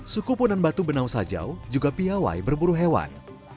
suku punan batu benau sajau juga piawai berburu hewan